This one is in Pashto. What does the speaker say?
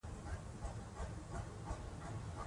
ځوانان په توپونو او ډزو مصروف ول.